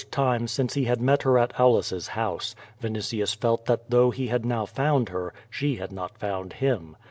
l6i time since he had met her at Auhis's liouse, Vinitius felt that though lie had now found her, she had not found him.